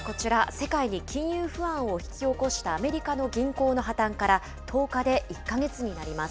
世界に金融不安を引き起こしたアメリカの銀行の破綻から、１０日で１か月になります。